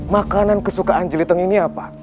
makanan kesukaan jeliteng ini apa